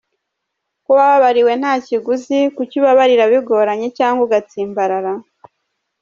Ko wababariwe nta kiguzi kuki ubabarira bigoranye cyangwa ugatsimbarara?.